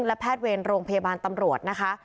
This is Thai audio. และแพทย์เวรโรงพยาบาลตำรวจนะคะ